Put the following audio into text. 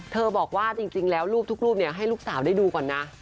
บอกว่าจริงแล้วรูปทุกรูปให้ลูกสาวได้ดูก่อนนะ